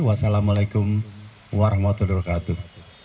wassalamu alaikum warahmatullahi wabarakatuh